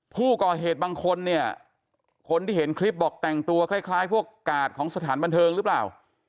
ผู้ก่อเหตุบางคนเนี่ยคนที่เห็นคลิปบอกแต่งตัวคล้ายพวกกาดของสถานบันเทิงหรือเปล่า